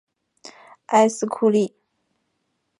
埃斯库利。